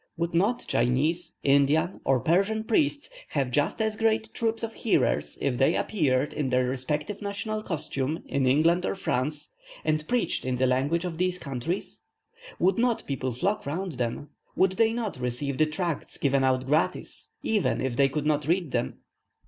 Would not Chinese, Indian, or Persian priests have just as great troops of hearers if they appeared in their respective national costume in England or France, and preached in the language of those countries? Would not people flock round them? would they not receive the tracts given out gratis, even if they could not read them?